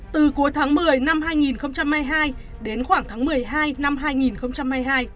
từ cuối tháng một mươi năm hai nghìn hai mươi hai đến khoảng tháng một mươi hai năm hai nghìn hai mươi hai